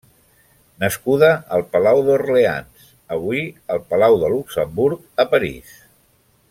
Nascuda al palau d'Orleans, avui el palau de Luxemburg a París.